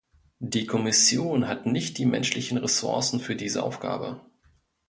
Die Kommission hat nicht die menschlichen Ressourcen für diese Aufgabe.